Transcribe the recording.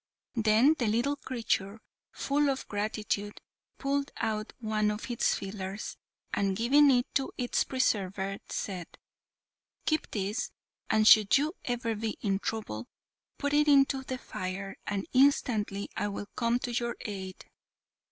Then the little creature, full of gratitude, pulled out one of its feelers, and giving it to its preserver, said, "Keep this, and should you ever be in trouble, put it into the fire, and instantly I will come to your aid."